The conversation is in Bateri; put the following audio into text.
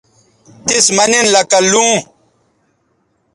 تِس مہ نن لکہ لوں